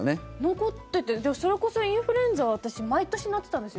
残っててそれこそインフルエンザ私、毎年なってたんですよ